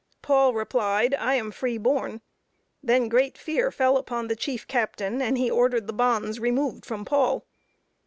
Paul replied, "I am free born"; then great fear fell upon the chief captain, and he ordered the bonds removed from Paul.